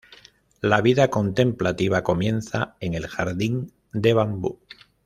La vida contemplativa comienza en el jardín de bambú.